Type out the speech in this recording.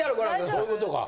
そういうことか。